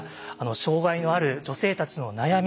障害のある女性たちの悩み